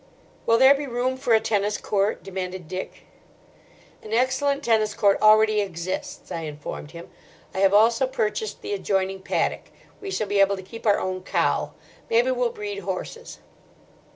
"Will there be room for a tennis court?" demanded Dick. "An excellent tennis court already exists," I informed him. "I have also purchased the adjoining paddock. We shall be able to keep our own cow. Maybe we'll breed horses."